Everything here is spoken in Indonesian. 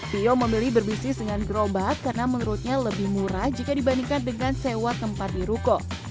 tio memilih berbisnis dengan gerobak karena menurutnya lebih murah jika dibandingkan dengan sewa tempat di ruko